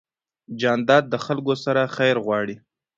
جانداد د خلکو سره خیر غواړي.